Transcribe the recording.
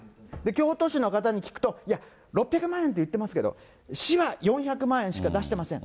京都市の方に聞くと、いや、６００万円って言ってますけど、市は４００万円しか出してません。